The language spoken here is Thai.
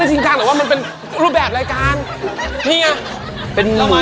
แล้วจริงจังหรอกว่ามันเป็นรูปแบบรายการนี่ง่ะเป็นเรามา